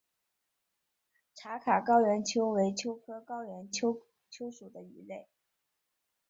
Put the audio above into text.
茶卡高原鳅为鳅科高原鳅属的鱼类。